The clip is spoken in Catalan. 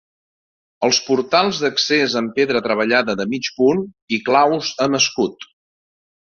Els portals d'accés amb pedra treballada, de mig punt i claus amb escut.